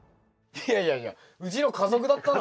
いやいやいやうちの家族だったな。